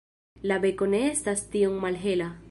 La beko ne estas tiom malhela.